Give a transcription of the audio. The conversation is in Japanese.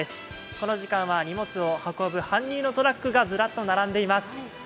この時間は荷物を運ぶ搬入のトラックがずらっと並んでいます。